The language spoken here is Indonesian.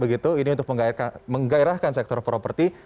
ini untuk menggairahkan sektor properti